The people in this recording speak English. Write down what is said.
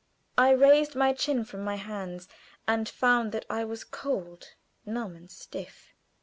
I raised my chin from my hands, and found that I was cold, numb, and stiff.